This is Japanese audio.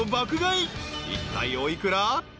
［いったいお幾ら？］